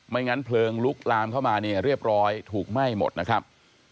งั้นเพลิงลุกลามเข้ามาเนี่ยเรียบร้อยถูกไหม้หมดนะครับ